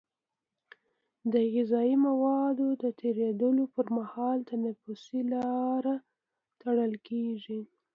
د غذایي موادو د تیرېدلو پر مهال تنفسي لاره تړل کېږي.